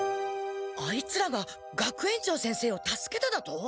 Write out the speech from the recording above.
あいつらが学園長先生を助けただと？